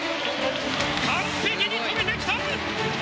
完璧に止めてきた！